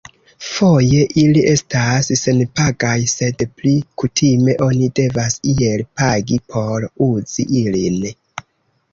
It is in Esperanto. Foje ili estas senpagaj, sed pli kutime oni devas iel pagi por uzi ilin.